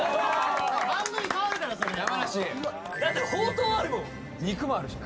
番組変わるからその山梨だってほうとうあるもん・肉もあるでしょ